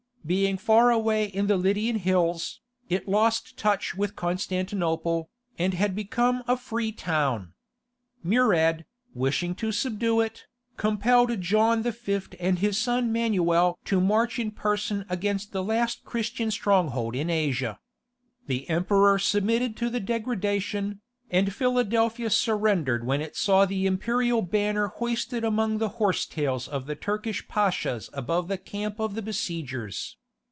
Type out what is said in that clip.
Being far away in the Lydian hills, it lost touch with Constantinople, and had become a free town. Murad, wishing to subdue it, compelled John V. and his son Manuel to march in person against the last Christian stronghold in Asia. The Emperor submitted to the degradation, and Philadelphia surrendered when it saw the imperial banner hoisted among the horse tails of the Turkish pashas above the camp of the besiegers.